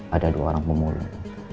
ada dua orang pemulung